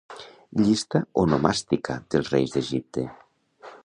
Llista onomàstica dels reis d'Egipte.